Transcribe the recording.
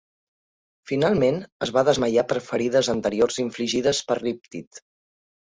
Finalment es va desmaiar per ferides anteriors infligides per Riptide.